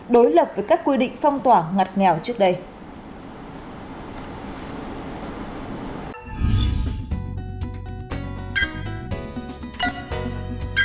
đối lập với các quy định phong tỏa ngặt nghèo trước đây